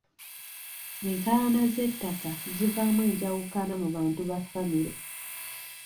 Enkaayana z'ettaka zivaamu enjawukana mu bantu ba famire.